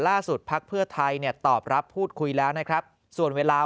ภักดิ์เพื่อไทยเนี่ยตอบรับพูดคุยแล้วนะครับส่วนเวลา